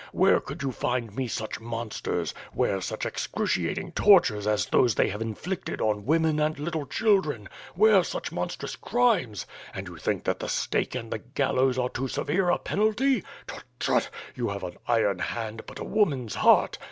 Where could you find me such monsters, where such excruciating tortures as those they have inflicted on w^omen and little children, where such monstrous crimes? And you think that the stake and the gallows are too severe a penalty. Tut! Tut! You have an iron hand, but a woman's heart.